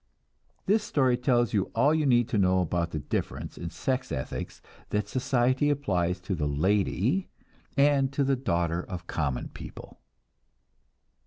This story tells you all you need to know about the difference in sex ethics that society applies to the "lady" and to the daughter of the common people.